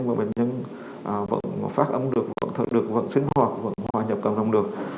và bệnh nhân vẫn phát âm được vẫn thở được vẫn sinh hoạt vẫn hòa nhập cộng đồng được